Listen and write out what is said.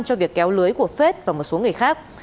cho việc kéo lưới của phết và một số người khác